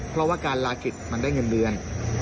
เพราะว่าการลากิจมันได้เงินเดือน